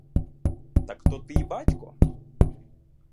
Так то твій батько?